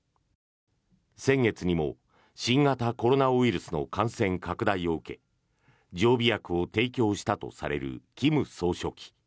先月にも新型コロナウイルスの感染拡大を受け常備薬を提供したとされる金総書記。